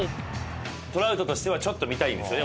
トラウトとしてはちょっと見たいんですね